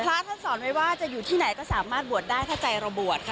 พระท่านสอนไว้ว่าจะอยู่ที่ไหนก็สามารถบวชได้ถ้าใจเราบวชค่ะ